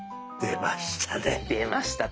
出ました。